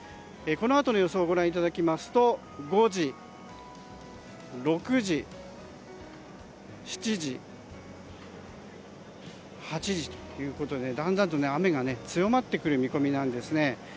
このあとの予想をご覧いただきますと５時、６時、７時、８時ということでだんだんと雨が強まってくる見込みです。